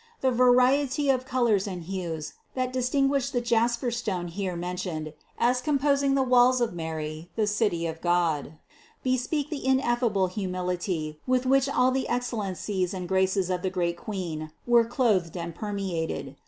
The variety of colors and hues that distinguish the jasper stone here mentioned as composing the walls of Mary, the City of God, bespeak the ineffable humility with which all the excellencies and graces of the great Queen were clothed and permeated.